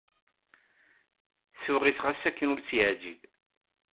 Tuɣ-it ɣas akken ur tt-yeɛjib.